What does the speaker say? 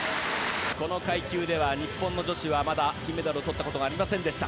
この階級では日本の女子はまだ金メダルを取ったことがありませんでした。